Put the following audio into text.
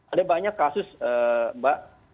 ada banyak kasus mbak